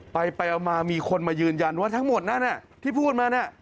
ไปมามีคนมายืนยันว่าทั้งหมดนั้นที่พูดมาเนี่ย